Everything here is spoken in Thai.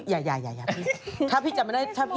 สวัสดีค่าข้าวใส่ไข่